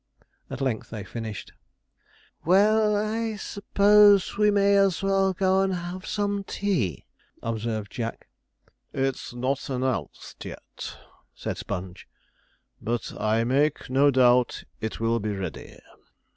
At length they finished. 'Well, I s'pose we may as well go and have some tea,' observed Jack. 'It's not announced yet,' said Sponge, 'but I make no doubt it will be ready.'